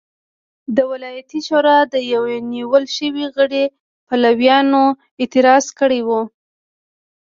د ولایتي شورا د یوه نیول شوي غړي پلویانو اعتراض کړی و.